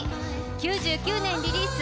９９年リリース。